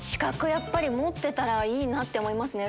やっぱり持ってたらいいなと思いますね。